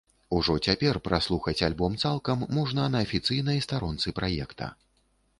Ужо цяпер праслухаць альбом цалкам можна на афіцыйнай старонцы праекта.